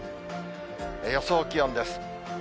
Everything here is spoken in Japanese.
予想気温です。